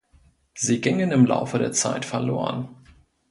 Sie gingen im Laufe der Zeit verloren.